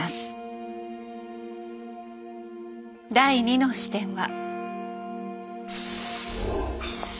第２の視点は。